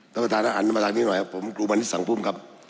ท่านประธานอันตร์น้ำลักนี้หน่อยครับผมกรูมันนิสสังพุมครับ